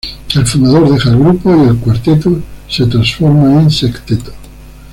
El fundador deja el grupo y el cuarteto se transforma en sexteto.